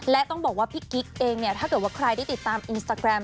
และต้องบอกว่าพี่กิ๊กเองเนี่ยถ้าเกิดว่าใครได้ติดตามอินสตาแกรม